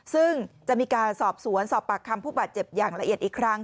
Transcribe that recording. ซึ่งจะมีการสอบสวนสอบปากคำผู้บาดเจ็บอย่างละเอียดอีกครั้ง